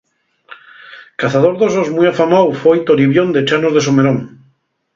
Cazaor d'osos mui afamáu fue Toribión de Ḷḷanos de Somerón.